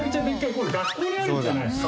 これ学校にあるやつじゃないですか？